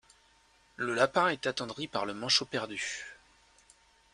Le lapin est attendri par le manchot perdu.